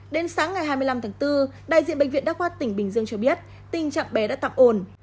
đến sáng ngày hai mươi năm tháng bốn đại diện bệnh viện đa khoa tỉnh bình dương cho biết tình trạng bé đã tạm ổn